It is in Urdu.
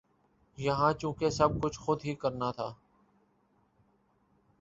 یہاں چونکہ سب کچھ خود ہی کرنا تھا